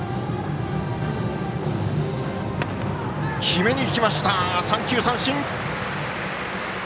決めにきました三球三振！